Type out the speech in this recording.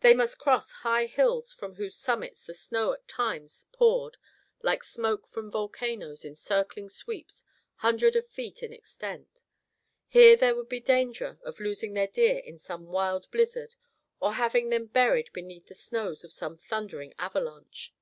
They must cross high hills, from whose summits the snow at times poured like smoke from volcanoes in circling sweeps hundreds of feet in extent. Here there would be danger of losing their deer in some wild blizzard, or having them buried beneath the snows of some thundering avalanche.